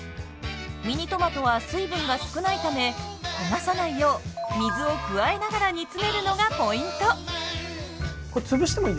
ミニトマトは水分が少ないため焦がさないよう水を加えながら煮詰めるのがポイント。